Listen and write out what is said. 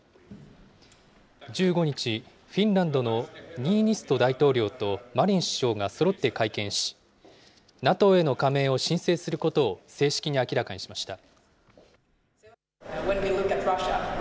１５日、フィンランドのニーニスト大統領と、マリン首相がそろって会見し、ＮＡＴＯへの加盟を申請することを正式に明らかにしました。